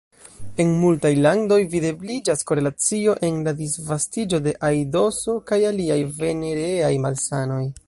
En multaj landoj videbliĝas korelacio en la disvastiĝo de aidoso kaj aliaj venereaj malsanoj.